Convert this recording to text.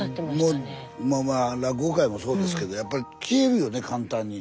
落語界もそうですけどやっぱり消えるよね簡単に。